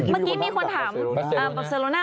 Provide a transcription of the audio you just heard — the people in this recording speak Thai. เมื่อกี้มีคนถามบังเซโลน่า